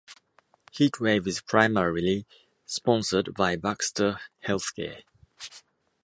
Heatwave is primarily sponsored by Baxter Healthcare.